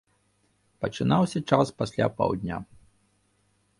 Пачынаўся час пасля паўдня.